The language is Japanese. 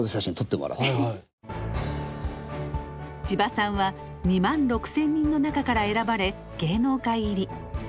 千葉さんは２万６，０００人の中から選ばれ芸能界入り。